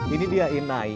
ini dia inai